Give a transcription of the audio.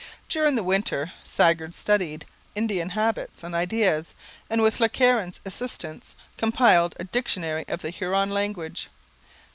During the winter Sagard studied Indian habits and ideas, and with Le Caron's assistance compiled a dictionary of the Huron language.